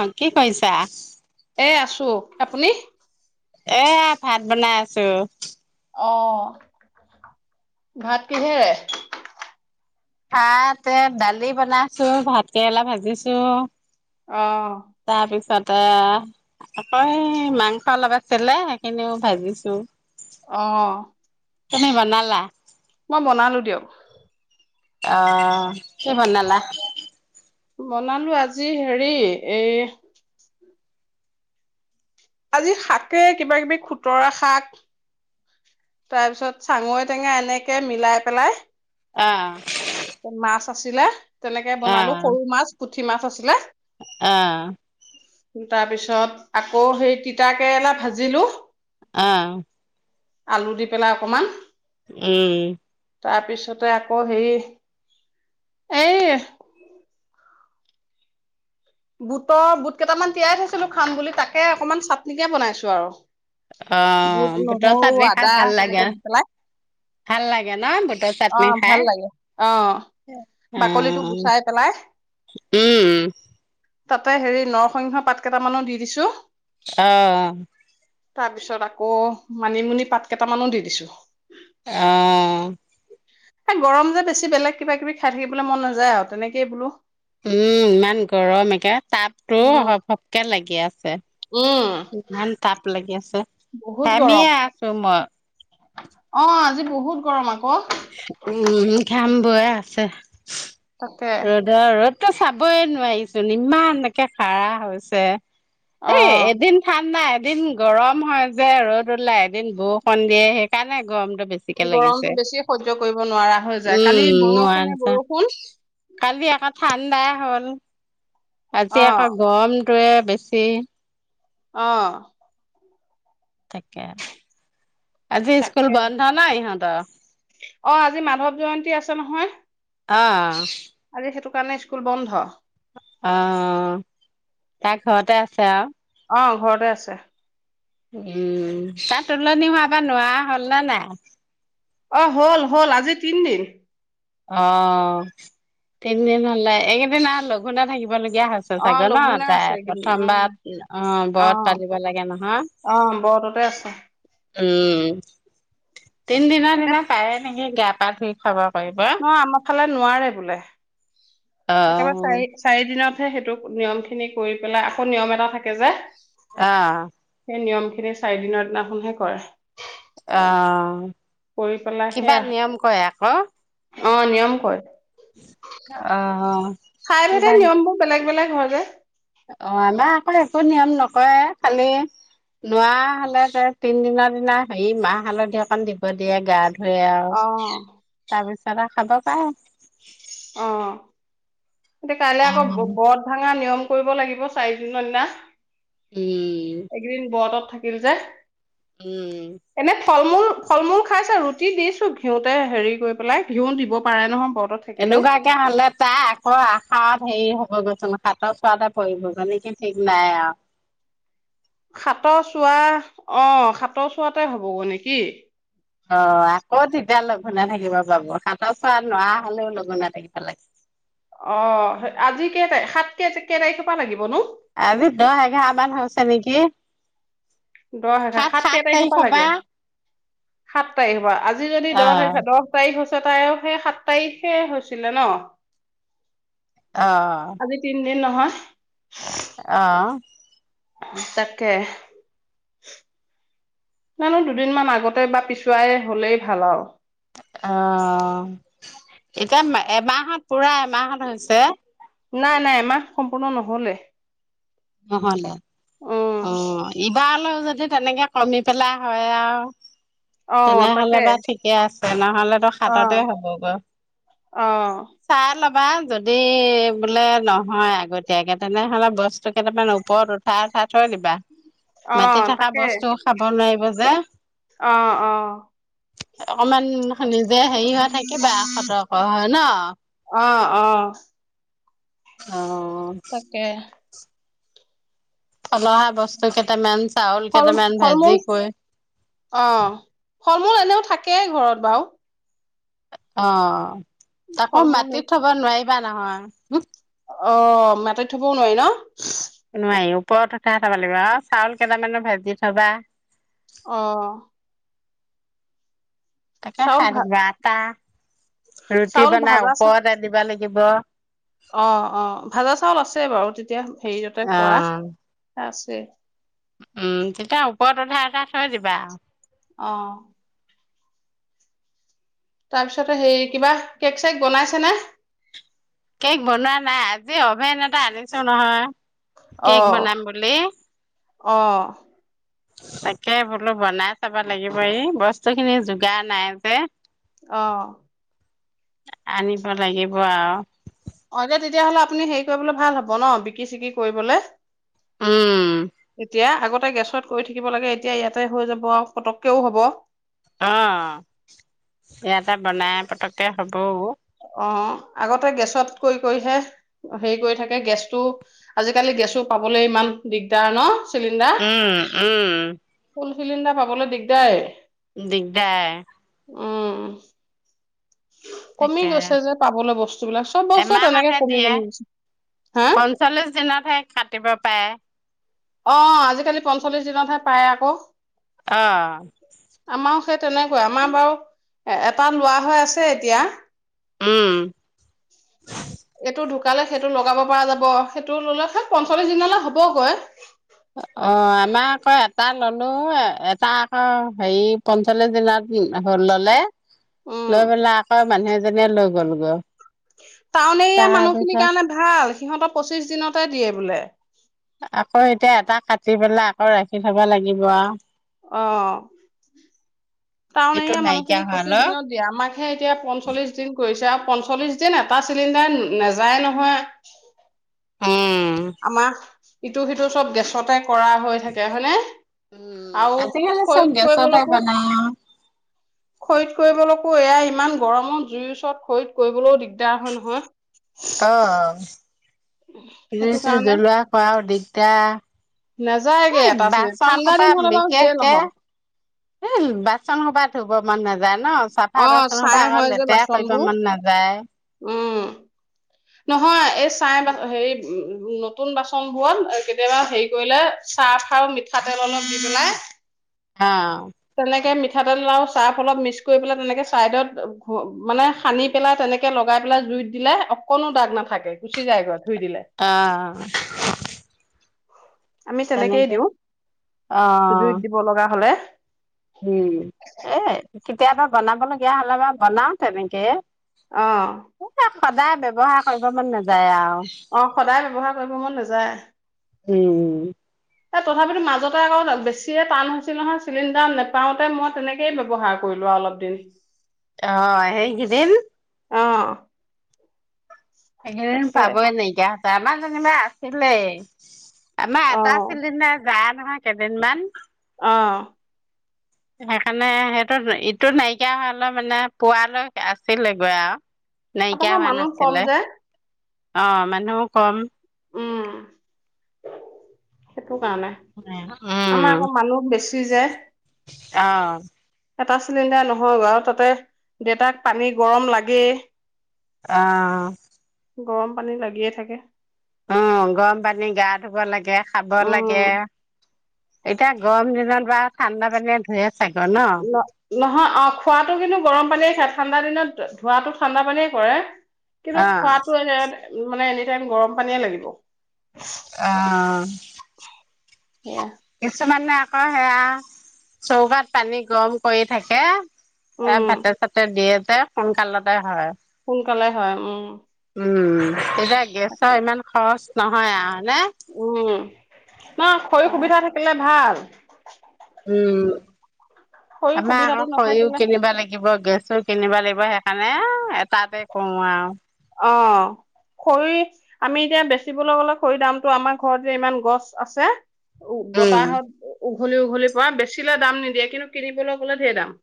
অ কি কৰিছা? এ আছোঁ। আপুনি? এয়া ভাত বনাই আছোঁ। অ ভাত কিহেৰে? ভাত এ দালি বনাইছোঁ ভাতকেৰেলা ভাজিছো। অহ। এ আকৌ এই মাংস অলপ আছিলে সেইখিনিও ভাজিছো। অহ। তুমি বনালা? মই বনালোঁ দিয়ক। অহ কি বনালা। বনালো আজি হেৰি এই আজি শাকে কিবা কিবি খুতৰা শাক তাৰপিছত চাঙৈ টেঙা এনেকে মিলাই পেলাই অহ। মাছ আছিলে। তেনেকে বনালো সৰু মাছ। পুঠি মাছ আছিলে। অহ। তাৰ পিছত আকৌ সেই তিতা কেৰেলা ভাজিলো। অহ। আলু দি পেলাই অকণমান। উম। তাৰপিছতে আকৌ হেৰি, এই বুটৰ, বুট কেইটামান তিয়াই থৈছিলো খাম বুলি তাকে অকনমান চাটনিকে বনাইছো আৰু। বুট, অ', বুটৰ নহৰু, চাটনি খাই আদা ভাল লাগে। তেনেকে দি পেলাই ভাল লাগে ন বুটৰ অ' চাটনি খাই? ভাল লাগে। অ' বাকলিটো গুচাই পেলাই অ', উম। তাতে হেৰি নৰসিংহ পাত কেইটামানো দি দিছো। অহ'। তাৰ পিছত আকৌ মানিমুনি পাত কেইটামানো দি দিছো। অহ'। এ গৰম যে বেছি বেলেগ কিবা কিবি খাই থাকিবলৈ মন নাযায় আৰু তেনেকে বোলো উম, ইমান গৰম একে, তাপতো উম, সপ সপকে লাগি আছে। উম, ইমান তাপ লাগ বহুত গৰম ঘামিয়ে আছো মই। অ', আজি বহুত গৰম আক উম, ঘাম বৈয়ে আছে। তাকে ৰ'দৰ ৰদ। তো চাবই নোৱাৰিছোন ইমান একে খাৰা হৈছে। এই অ' এদিন ঠাণ্ডা এদিন গৰম হয় যে ৰ'দ ওলাই, এদিন বৰষুণ দিয়ে, সেইকাৰণে গৰম গৰমতো বেছিয়ে সৈ কৰিব নোৱাৰা হৈ যায়, উম কালি বৰষুণে নোৱাৰা বৰষুণ। কালি আকৌ ঠাণ্ডাই হ'ল। আজি আকৌ অ' গৰম তোৱে বেছি। অ'। তাকে। আজি স্কুল তাকে বন্ধ ন ইহঁত [unintelligible] অ, আজি মাধৱ জয়ন্তী আছে নহয়। অ। আজি সেইটো কাৰণে স্কুল বন্ধ। অ, তাৰ ঘৰতে আছে আউ। অ', ঘৰতে আছে। উম, তাত তুলনি হোৱা বা নোৱাৰা হ'ল নে নাই? অ হ'ল হ'ল আজি তিনদিন। অ', তিনিদিন হলে এইকেইদিন আৰু লঘোণে থাকিব [unintelligible] লগিয়া হৈছে অ চাগে ন লঘোনে আছে তাই? এইকেইদিন উম প্ৰথমবাৰ অ', ব্ৰত পালিব লাগে নহয়। অ বৰততে আছে উম। তিন দিনৰ দিনা পাৰে নেকি গা-পা ধুই। খাব পাৰিম। নহয় আমাৰ ফালেট নোৱাৰে বোলে। অ একেবাৰে চাৰি-চাৰি দিনত। সেই সেইটো নিয়ম খিনি কৰি পেলাই আকৌ নিয়ম এটা থাকে যে অ'। সেই নিয়ম খিনি চাৰিদিনৰ দিনাখনহে কৰে। অ', কৰি পেলাই কিবা সেয়া নিয়ম কয় আকৌ [inaudible] অ নিয়ম কৰে অ'। ঠাই ভেদে কিবা নিয়ম বোৰ বেলেগ-বেলেগ। কি হল ৰে। অ', আমাৰ আকৌ একো নিয়ম নকৰে, খালি নোৱাৰা হলে তিনদিনৰ দিনা হেৰি মাহ হালধি অকণ দিব দিয়ে গাত। দে আৰু অ তাৰপিছত কিবা খাব পায়। অ। এতিয়া কাইলে আকৌ উম ব্ৰত ভাঙা নিয়ম কৰিব লাগিব চাৰি দিনৰ দিনা। একদিন ব্ৰতত কিল যে। উম। ফল-মূল, ফল-মূল খাইছে, ৰুটি দিছো ঘিউতে হেৰি কৰি পেলাই ঘিউ দিব পাৰে নহয়। ব্ৰতত থাকিলেও এনেকুৱাকে হলে তাই আকৌ আশাৰত হেৰি হ মই কৈছোঁ নহ়য় সাতৰ চোৱাতে পৰিব যানে কি ঠিক নাই আউ। সাতৰ চোৱা, অ', সাতৰ চোৱাতে হ'বগৈ নেকি? অ আকৌ তেতিয়া লঘুনে থাকিব পাব, সাতৰ চোৱা নোৱাৰা হলেও লঘুনে থাকিব লাগে। অ', আজি কেই তাৰিখ? সাত কেই কেই তাৰিখৰ পৰা লাগিব নো? আজি দহ এঘাৰ মান হৈছে নেকি? দহ হাজাৰ, সাত কেই তাৰিখৰ পা লাগে? সাত তাৰিখৰ পা। আজি যদি অ দহ হৈছে, দহ তাৰিখ হৈ [unintelligible] সেই সাত তাৰিখে হৈছিলে ন? অ'। এ নহয়। অ'। তাকে, জানো দুদিনমান আগতে বা পিছুৱাই হলেই ভাল আৰু। অ', এতিয়া এমাহত পুৰা এমাহত হৈছে। নাই নাই এমাহ সম্পূৰ্ণ নহলে। নহ'লে, উম অ' এইবাৰ অল যদি তেনেকে কমি পেলাই হয় আৰু অ তেনেহলে তাকে বা ঠিকে আছে নহলে তো অ সাততে হবগৈ, অহ চাই ল'বা। যদি বোলে নহয় আগতীয়াকে তেনেহলে বস্তু [unintelligible] কেইটামান ওপৰত উঠাই উঠাই থৈ দিবা। মাটি অ' থকা তাকে, বস্তু খাব নোৱাৰিব যে অ' অ'। অকমান [unintelligible] দেয়া হেৰি হৈ থাকিবা, সতৰ্ক হৈ ন? অ'। অ'। তাকে। থলহা বস্তু কেইটামান, চাউল ফল কেইটামান, ফল ভেজি মূল কৈ অহ ফল মূল এনেও থাকেই ঘৰত বাৰু। অ'। ফল আকৌ মূল মাটিত থব নোৱাৰি। [unintelligible] নহয়। অ', মাটিত থবও নোৱাৰি ন? নোৱাৰি ওপৰত উঠাই থব লাগিব। আৰু চাউল কেইটামানো ভাজি থবা। অ'। তাকে খাই ভা থাকিবা আতা ৰুটি চাউল বনাই ওপৰতে দিব লাগি দিব। অ', অ', ভাজা চাউল আছে বাৰু তেতিয়া হেৰিয়তে কৰা। আছে। উম, তেতিয়া ওপৰত উঠাই এটা থৈ যিবা আৰু। অ'। তাৰপিছতে হেৰি, কিবা কেক-চেক বনাইছে নে? কেক বনোৱা নাই, আজি অভেন এটা আনিছো নহয় কেক অ', বনাম বুলি অ'। তাকে বোলো বনাই চাব লাগিব, ই বস্তু খিনি যোগাৰ নাই যে অ'। আনিব লাগিব আৰু অ', দে, তেতিয়াহ'লে আপুনি হেৰি কৰিবলৈ ভাল হ'ব ন? বিক্ৰী-চিক্ৰী কৰিবলে উম। এতিয়া, আগতে গেছত কৰি থাকিব লাগে, এতিয়া ইয়াতে হৈ যাব আৰু পতককেও হ'ব। অ' ইয়াতে বনাই পতককে হ'ব। অ আগতে গেছত কৰি কৰিহে হেৰি কৰি থাকে গেছটো, আজিকালি গেছো পাবলৈ ইমান দিগদাৰ ন? চিলিণ্ডাৰ উম উম [unintelligible] চিলিণ্ডাৰ পাবলৈ দিগদাৰেই। দিগদাৰ। উম। কমি তাকে গৈছে যে পাবলৈ বস্তুবিলাক, চব বস্তুৱে তেনেকে এমাহতহে কমি দিয়ে কমি গৈছে, হা পঞ্চল্লিশ দিনতহে কাটিব পাৰে অ', আজিকালি পঞ্চল্লিশ দিনতহে পায় আকৌ। অ'। আমাৰো সেই তেনেকুৱাই, আমাৰ বাৰু এটা লোৱা হৈ আছে এতিয়া উম [unintelligible] এইটো ঢুকালে সেইটো লগাব পৰা যাব, সেইটো ল'লে সেই পঞ্চল্লিশ দিনলৈ হবগৈ। অ', আমাৰ আকৌ এটা ল'লো, এটা আকৌ হেৰি পঞ্চল্লিছ দিনাত হ'ল ল'লে উম লৈ পেলাই আকৌ, মানুহ এজনীয়ে লৈ গ'ল। হেল্ল' টাউন এৰিয়াৰ মানুহখিনিৰ কাৰণে ভাল, সিহঁতৰ পঁচিশ দিনতে দিয়ে বোলে। আকৌ এতিয়া এটা কাটি পেলাই আকৌ ৰাখি থব লাগিব আৰু অ'। টাউন এইটো এৰিয়া নাইকিয়া মানুহখিনিক পঁচিশ হোৱালৈ দিনত দিয়ে, আমাকহে এতিয়া পঞ্চল্লিশ দিন কৰিছে আও পঞ্চল্লিশ দিন এটা চিলিণ্ডাৰ নেযায় নহয়। উম আমাৰ ইটো-সিটো চব গেছতে কৰা হৈ থাকে, হয়নে? উম, আৰু আজিকালি চব খৰিত গেছতেই কৰিবলৈকো বনাও আৰু খৰিত কৰিবলৈকোও, এয়া ইমান গৰমত জুইৰ ওচৰত খৰিত কৰিবলৈও দিগদাৰ হয় নহয়। অ'। সেইটো জুই-চুই কাৰণে জ্বলোৱা, খোৱাও দি তিয়া নেযায়গে এই এটা চিলিণ্ডাৰ বাচন ঠাণ্ডা সোপা দিন হলে বাৰু যিয়ে বিশেষকে, নহওক এ বাচন সোপা ধু গৰমত নেযায়। ন' অ চাফা বাচন ছাই সোপা আকৌ হয় যে লেতেৰা কৰিব বাচনবোৰ মন নাযায়। উম। নহয়, এই চাই বাচ হেৰি নতুন বাচন বোৰত কেতিয়াবা হেৰি কৰিলে চাৰ্ফ আৰু মিঠাতেল অলপ দি পেলাই হা। তেনেকে মিঠাতেল আৰু চাৰ্ফ অলপ মিক্স কৰি পেলাই, তেনেকৈ ছাইডত, মানে সানি পেলাই তেনেকৈ লগাই পেলাই জুইত দিলে অকনো দাগ নাথাকে, গুচি যায়গৈ। ধুই দিলে অ'। আমি তেনেকেই দিওঁ, অ জুইত দিব লগা হ'লে। উম। এ কেতিয়াবা বনাব লগীয়া হলে বাৰু বনাও তেনেকে। অ'। সদায় ব্যৱহাৰ কৰিব মন নাযায় আৰু। অ', সদায় ব্যৱহাৰ কৰিব মন নাযায়। উম। এ তথাপিতো মাজতে আকৌ বেছিয়ে টান হৈছিল নহয়। চিলিণ্ডাৰ নোপাওঁতে মই তেনেকৈ ব্যৱহাৰ কৰিলোঁ আৰু অলপ দিন। অ', হেই কিদিন অ [unintelligible] তাকে পাবই নাইকিয়া তামা যেনিবা আছিলেই। আমাৰ এটা অ চিলিণ্ডাৰ যা নহয় কেইদিনমান। অ'। সেইকাৰণে সেইটো ইটো নাইকিয়া হ'লে মানে পুৱালৈ আছিল গৈ আৰু। নাইকিয়া আপোনৰ হোৱা মানুহ কম নাছিলে যে। অ', মানুহও কম। উম সটো কাৰণে, উম, আমাৰ আকৌ মানুহ বেছি কিজে অ'। এটা চিলিণ্ডাৰ নহয় গৈ আৰু, তাতে দেউতাক পানী গৰম লাগেই। অ'। গৰম পানী লাগিয়ে থাকে। উম, গৰম পানী গা ধুব লাগে, খাব উম লাগে। এতিয়া গৰম দিনত বাৰ ঠাণ্ডা পানীৰে ধোৱে। ন নহয় অ' খোৱাতটো কিন্তু গৰম পানীয়ে খায়। ঠাণ্ডা দিনত ধোৱাতো ঠাণ্ডা পানীয়ে কৰে। কিন্তু অ', খোৱাতো এ মানে গৰম পানীয়ে লাগিব। আ। সেয়া। কিছুমানে আকৌ সেয়া চৌকাত পানী গৰম কৰি থাকে। এই উম ভাতে চাতে দিয়ে তে সোনকালতে হয় সোনকালে হয় উম উম এতিয়া গেছৰ ইমান খৰচ নহয় আৰু হয়নে? উম অ খৰিৰ সুবিধা থাকিলে ভাল৷ উম খৰি আমাৰ সুবিধাটো আকৌ খৰিও নাথাকিলে কিনিবা লাগিব গেছ চো কিনিবা লাগিব সেইকাৰণে এটাতে কৰো আৰু অ খৰি আমি এতিয়া বেচিবলৈ গ'লে খৰিৰ দামটো আমাৰ ঘৰত যে ইমান গছ আছে। উ বতাহত উঘলি উঘলি পৰা বেচিলে দাম নিদিয়ে কিন্তু কিনিবলৈ গ'লে ঢেৰ দাম৷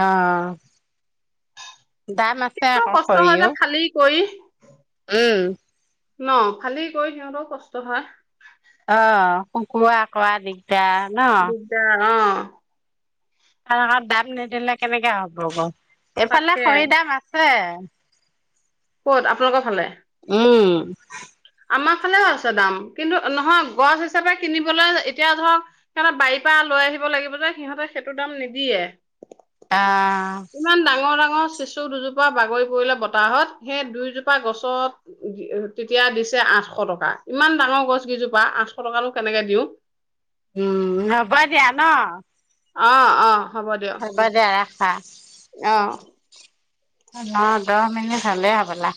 আহ কষ্ট হয় যে ফালি কৰি উম ন খালি গৈ সিহঁতও কষ্ট হয়৷ অ শুকুৱা কৰা দি অ দিছে অ [inaudible] আৰু দাম নিদিলে কেনেকে হ'ব এইফালে তাকে খৰি দাম আছে। [unintelligible] কত আপোনালোকৰ ফালে উম আমাৰ ফালেও আছে দাম কিন্তু নহয় গছ হিচাপে কিনিবলৈ এতিয়া ধৰক সিহঁতৰ বাৰীৰ পৰা লৈ আহিব লাগিব যে সিহঁতে সেইটো দাম নিদিয়ে। অ ইমান ডাঙৰ ডাঙৰ চিচু দুজোপা বাগৰি পৰিলে বতাহত সেই দুইজোপা গছত তেতিয়া দিচ আঠশ টকা ইমান ডাঙৰ গছ কেইজোপা আঠশ টকানো কেনেকে দিওঁ উম হ'ব দিয়া ন অ অ হব দে ৰা হা আহ ন দহ মিনিট হলে হবলা